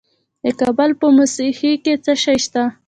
د کابل په موسهي کې څه شی شته؟